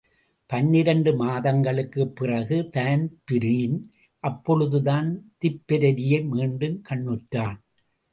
பன்னிரண்டு மாதங்களுக்குப் பிறகு தான்பிரீன் அப்பொழுதுதான் திப்பெரரியை மீண்டும் கண்ணுற்றான்.